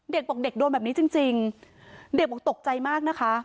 เด็กบอกเด็กโดนแบบนี้จริงเด็กบอกตกใจมากนะคะ